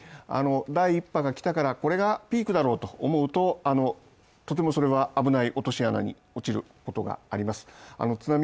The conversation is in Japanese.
７時間、第一波が来たからこれがピークだろうと思うととてもそれは危ない落とし穴に落ちることがあります